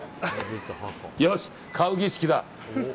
よし、買う儀式だ！